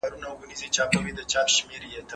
سیاست مه کوئ.